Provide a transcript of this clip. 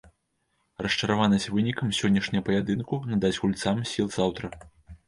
Расчараванасць вынікам сённяшняга паядынку надасць гульцам сіл заўтра.